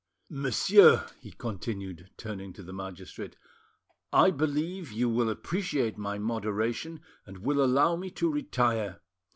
Monsieur" he continued, turning to the magistrate, "I believe you will appreciate my moderation, and will allow me to retire.